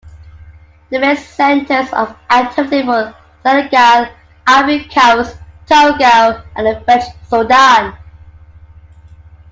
The main centers of activity were Senegal, Ivory Coast, Togo and the French Soudan.